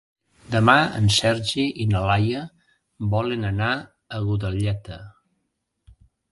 Demà en Sergi i na Laia volen anar a Godelleta.